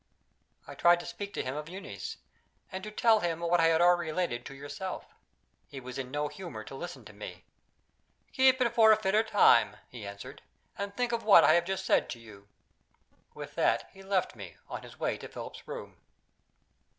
I tried to speak to him of Euneece, and to tell him what I had already related to yourself. He was in no humor to listen to me. "Keep it for a fitter time," he answered; "and think of what I have just said to you." With that, he left me, on his way to Philip's room.